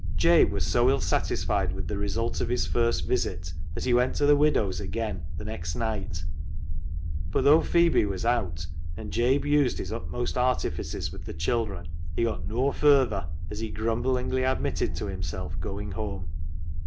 Jabe was so ill satisfied with the result of his first visit that he went to the widow's again the next night, but though Phebe was out and Jabe used his utmost artifices with the children, he got " noa furrader," as he grumblingly ad mitted to himself going home.